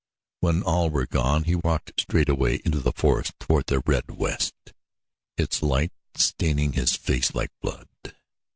When all were gone he walked straight away into the forest toward the red west, its light staining his face like blood.